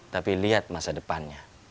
tapi lihat masa depannya